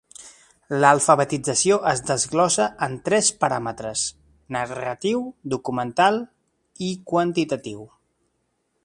L'alfabetització es desglossa en tres paràmetres: narratiu, documental i quantitatiu.